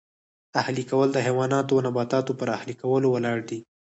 اهلي کول د حیواناتو او نباتاتو پر اهلي کولو ولاړ دی